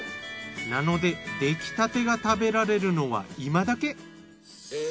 なので出来たてが食べられるのは今だけ。